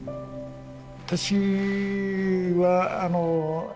私はあの。